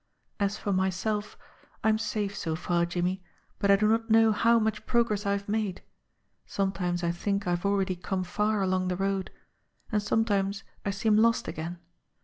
"As for myself, I am safe so far, Jimmie ; but I do not know how much progress I have made. Sometimes I think I have already come far along the road and sometimes I seem lost again.